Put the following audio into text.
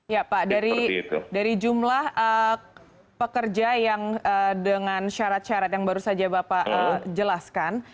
ya pak dari jumlah pekerja yang dengan syarat syarat yang baru saja bapak jelaskan